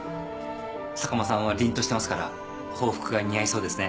坂間さんはりんとしてますから法服が似合いそうですね。